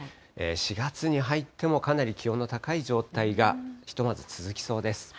４月に入ってもかなり気温の高い状態がひとまず続きそうです。